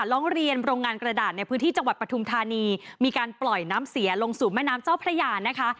ร้องเรียนโรงงานกระดาษในพื้นที่จังหวัดปฐุมธานีมีการปล่อยน้ำเสียลงสู่แม่น้ำเจ้าพระยานะคะ